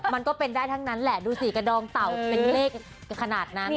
มันก็เป็นได้ทั้งนั้นแหละดูสิกระดองเต่าเป็นเลขขนาดนั้น